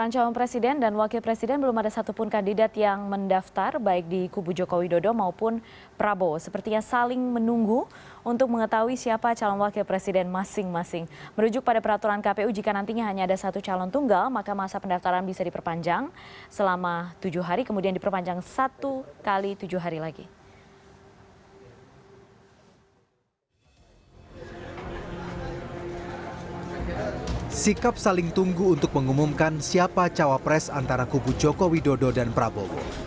jangan lupa like share dan subscribe channel ini untuk dapat info terbaru